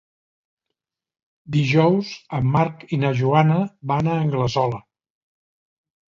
Dijous en Marc i na Joana van a Anglesola.